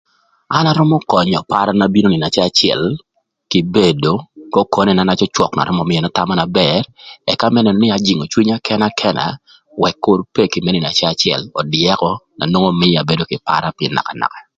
An arömö könyö par na bino nïnö acëlacël kï bedo k'okonena na cwöcwök na römö mïöna thama na bër, ëka më nënö nï ajïngö cwinya këna këna, wëk kür peki më nïno acëlacël ödïa ökö na nwongo mïa abedo kï par pï naka naka.